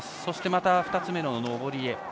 そして、また２つ目の上りへ。